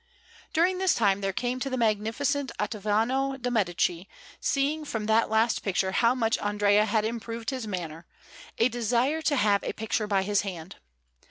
During this time there came to the Magnificent Ottaviano de' Medici, seeing from that last picture how much Andrea had improved his manner, a desire to have a picture by his hand.